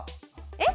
えっ？